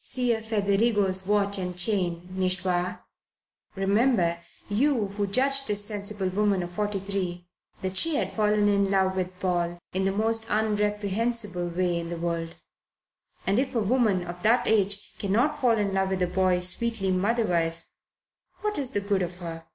Ser Federigo's watch and chain. Nicht wahr?" Remember, you who judge this sensible woman of forty three, that she had fallen in love with Paul in the most unreprehensible way in the world; and if a woman of that age cannot fall in love with a boy sweetly motherwise, what is the good of her?